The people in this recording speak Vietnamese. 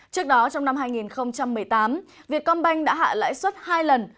trước đó trong năm hai nghìn một mươi tám việt công banh đã hạ lãi suất hai lần